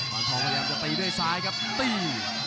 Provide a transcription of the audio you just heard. วันทองพยายามจะตีด้วยซ้ายครับตี